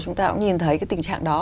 chúng ta cũng nhìn thấy cái tình trạng đó